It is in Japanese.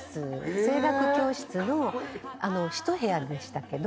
声楽教室の一部屋でしたけど。